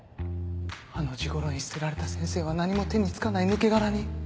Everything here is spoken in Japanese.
あのジゴロに捨てられた先生は何も手に付かない抜け殻に。